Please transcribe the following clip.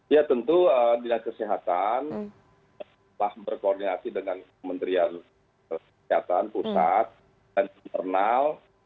ya tentu dinas kesehatan telah berkoordinasi dengan kementerian kesehatan pusat dan internal